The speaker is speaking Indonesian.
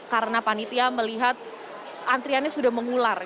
karena panitia melihat antriannya sudah mengular